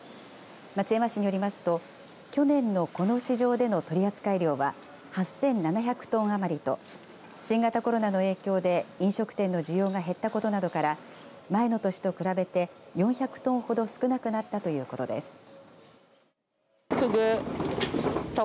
松山市によりますと去年のこの市場での取扱量は８７００トン余りと新型コロナの影響で飲食店の需要が減ったことなどから前の年と比べて４００トンほど少なくなったということです。